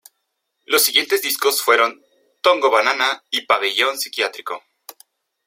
Los siguientes discos fueron ""Tongo banana"" y ""Pabellón psiquiátrico"".